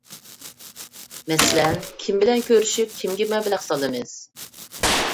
مەسىلەن، كىم بىلەن كۆرۈشۈپ، كىمگە مەبلەغ سالىمىز؟